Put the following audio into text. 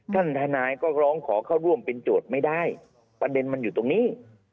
ทนายก็ร้องขอเข้าร่วมเป็นโจทย์ไม่ได้ประเด็นมันอยู่ตรงนี้